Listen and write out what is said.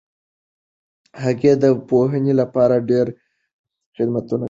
هغه د پوهنې لپاره ډېر خدمتونه کړي دي.